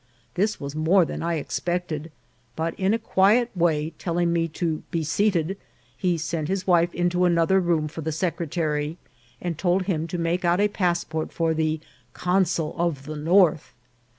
This was more than I expected ; but in a quiet way telling me to " be seated," he sent his wife into another room for the secretary, and told him to make out a passport for the " Consul of the North."